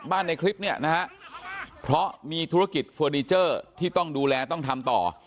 ในคลิปเนี่ยนะฮะเพราะมีธุรกิจเฟอร์นิเจอร์ที่ต้องดูแลต้องทำต่อ